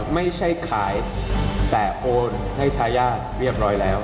ไม่ใช่ขายแต่โอนให้ทายาทเรียบร้อยแล้ว